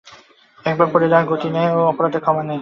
একবার পড়িলে আর গতি নাই এবং ও অপরাধের ক্ষমা নাই।